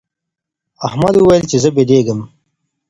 احمد وویل چي زه بېدېږم.